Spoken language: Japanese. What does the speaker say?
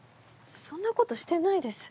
そんなことしてないです。